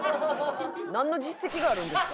なんの実績があるんですか」